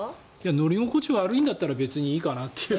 乗り心地悪いんだったら別にいいかなっていう。